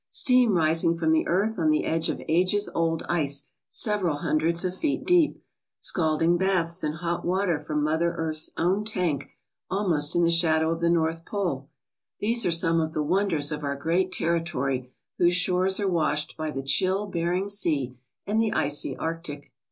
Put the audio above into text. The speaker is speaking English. Steam rising from the earth on the edge of ages old ice several hundreds of feet deep! Scalding baths in hot water from Mother Earth's own tank almost in the shadow of the North Pole ! These are some of the won ders of our great territory whose shores are washed by the chill Bering Sea and the icy Arctic.